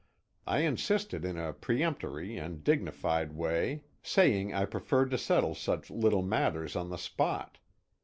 I insisted in a peremptory and dignified way saying I preferred to settle such little matters on the spot.